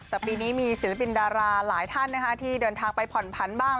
แต่ปีนี้มีศิลปินดาราหลายท่านที่เดินทางไปผ่อนผันบ้าง